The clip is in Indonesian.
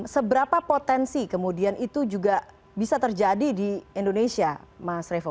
seberapa potensi kemudian itu juga bisa terjadi di indonesia mas revo